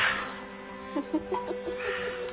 フフフフ。